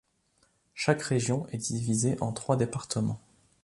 Chaque région est divisée en trois départements.